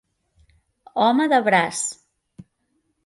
Home de braç.